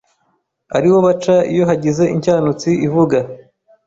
ari wo baca iyo hagize inshyanutsi ivuga